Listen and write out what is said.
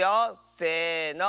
せの！